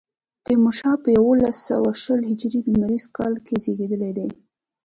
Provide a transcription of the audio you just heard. تیمورشاه په یوولس سوه شل هجري لمریز کال کې زېږېدلی و.